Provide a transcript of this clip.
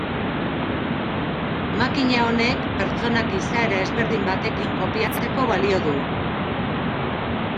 Makina honek pertsonak izaera ezberdin batekin kopiatzeko balio du.